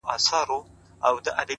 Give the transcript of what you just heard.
پرون مي دومره درته وژړله;